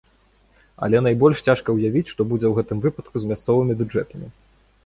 Але найбольш цяжка ўявіць, што будзе ў гэтым выпадку з мясцовымі бюджэтамі.